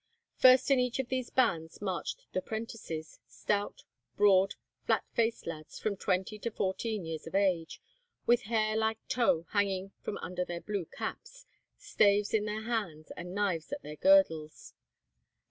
First in each of these bands marched the prentices, stout, broad, flat faced lads, from twenty to fourteen years of age, with hair like tow hanging from under their blue caps, staves in their hands, and knives at their girdles.